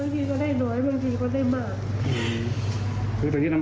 ใส่้าอย่าง